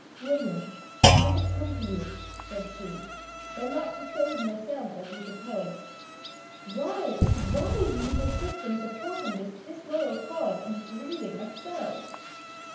'William, I have come to you,' said she, 'but not to save myself as you suppose. Why, oh, why do you persist in supporting this disloyal cause, and grieving us so?'